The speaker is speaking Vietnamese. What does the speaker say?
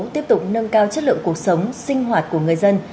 tiếp tục nâng cao chất lượng cuộc sống sinh hoạt của người dân